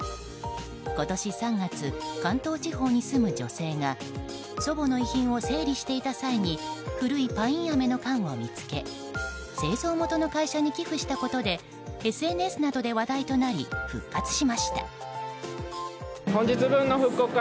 今年３月、関東地方に住む女性が祖母の遺品を整理していた際に古いパインアメの缶を見つけ製造元の会社に寄付したことでＳＮＳなどで話題となり復活しました。